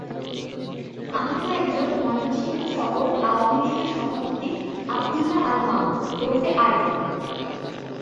আহত একজন ময়মনসিংহ শহর আওয়ামী লীগের সভাপতি আবদুল্লাহ আল মামুন ওরফে আরিফ।